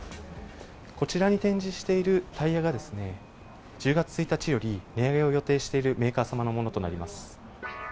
こちらに展示しているタイヤが、１０月１日より値上げを予定しているメーカー様のものとなります。